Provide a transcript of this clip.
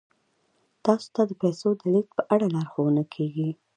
تاسو ته د پیسو د لیږد په اړه لارښوونه کیږي.